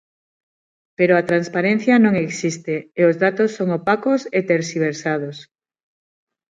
"Pero a transparencia non existe e os datos son opacos e terxiversados".